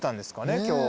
今日。